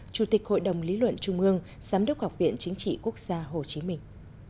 chủ tịch hội đồng lý luận trung ương giám đốc học viện chính trị quốc gia hồ chí minh